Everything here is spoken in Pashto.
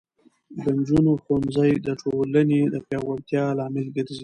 د نجونو ښوونځی د ټولنې پیاوړتیا لامل ګرځي.